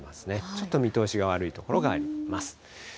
ちょっと見通しが悪い所があります。